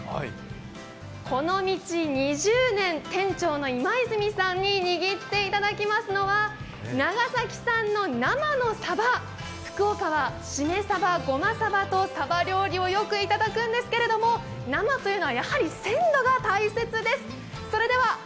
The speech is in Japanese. この道２０年、店長の今泉さんに握っていただきますのは長崎産の生のサバ、福岡はしめサバごまサバとサバ料理をよく、いただくんですけども生というのはやはり鮮度が大切です。